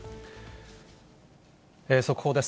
速報です。